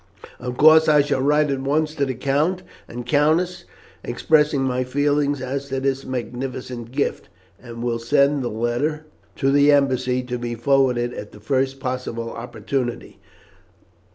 Of course, I shall write at once to the count and countess expressing my feelings as to this magnificent gift, and will send the letter to the embassy to be forwarded at the first possible opportunity.